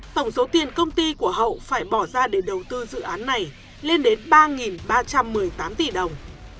tổng số tiền công ty của hậu phải bỏ ra để đầu tư dự án này lên đến ba ba trăm một mươi tám tỷ đồng